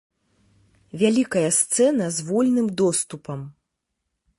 Вялікая сцэна з вольным доступам.